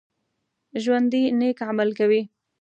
ژوندي نیک عمل کوي